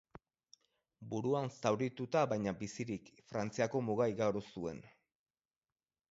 Buruan zaurituta baina bizirik, Frantziako muga igaro zuen.